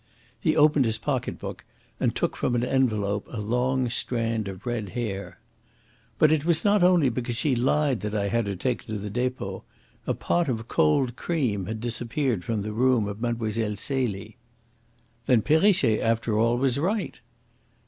He opened his pocket book, and took from an envelope a long strand of red hair. "But it was not only because she lied that I had her taken to the depot. A pot of cold cream had disappeared from the room of Mlle. Celie." "Then Perrichet after all was right."